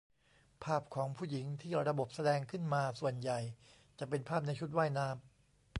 ภาพของผู้หญิงที่ระบบแสดงขึ้นมา ส่วนใหญ่จะเป็นภาพในชุดว่ายน้ำ